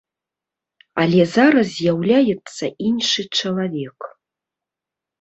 Але зараз з'яўляецца іншы чалавек.